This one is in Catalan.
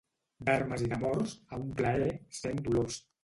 D'armes i d'amors, a un plaer, cent dolors.